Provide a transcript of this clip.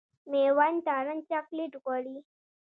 مېوند تارڼ چاکلېټ غواړي.